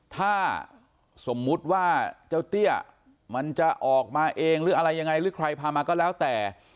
ถ้าสมมุติว่าเจ้าเตี้ยมันจะออกมาเองหรืออะไรยังไงหรือใครพามาก็แล้วแต่